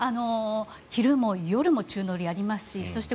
昼も夜も宙乗りをやりますしそして